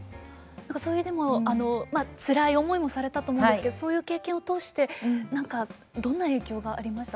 そういうでもあのつらい思いもされたと思うんですけどそういう経験を通してどんな影響がありました？